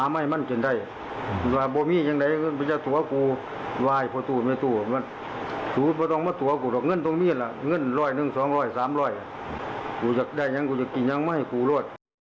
กูจะได้ยังกูจะกินยังไม่ให้กูโลธ